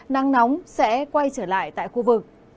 nắng nóng sẽ quay trở lại tại khu vực